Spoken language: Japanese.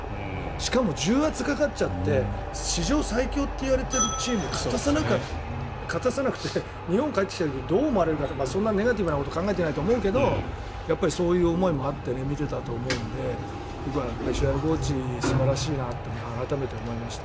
しかも重圧がかかっちゃって史上最強といわれているチームを勝たせなくて日本に帰ってきた時にどう思われるかってそんなネガティブなこと考えてないと思うけどそういう思いもあって見ていたと思うんで僕は白井コーチ、素晴らしいなと改めて思いました。